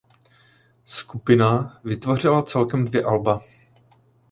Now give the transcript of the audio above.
Skupina vytvořila celkem dvě alba.